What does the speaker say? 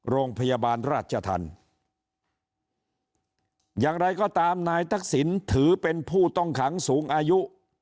โรงพยาบาลราชธรรมอย่างไรก็ตามนายทักษิณถือเป็นผู้ต้องขังสูงอายุ